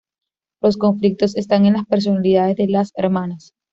Los conflictos están en las personalidades de las hermanas.